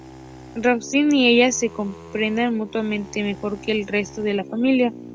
Raistlin y ella se comprenden mutuamente mejor que con el resto de la familia.